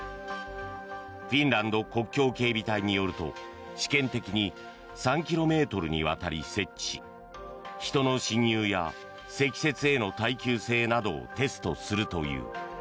フィンランド国境警備隊によると試験的に３ｋｍにわたり設置し人の侵入や積雪への耐久性などをテストするという。